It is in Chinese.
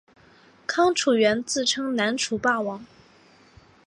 康楚元自称南楚霸王。